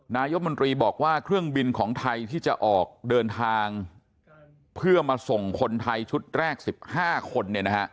นายกมนตรีบอกว่าเครื่องบินของไทยที่จะออกเดินทางเพื่อมาส่งคนไทยชุดแรก๑๕คนเนี่ยนะฮะ